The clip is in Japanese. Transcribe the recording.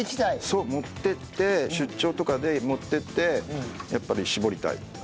そう持っていって出張とかで持っていってやっぱり搾りたい。